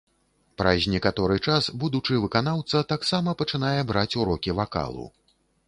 Праз некаторы час будучы выканаўца таксама пачынае браць урокі вакалу.